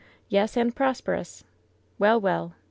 "Yes, and prosperous." "Well, well